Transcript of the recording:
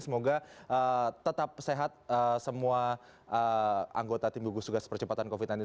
semoga tetap sehat semua anggota tim gugus tugas percepatan covid sembilan belas